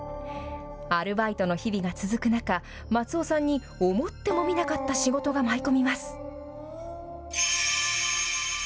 アルバイトの日々が続く中、松尾さんに思ってもみなかった仕事が舞い込みます。